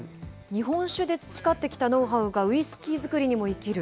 日本酒で培ってきたノウハウがウイスキー造りにも生きる？